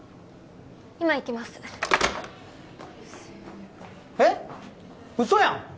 今行きますえっ嘘やん！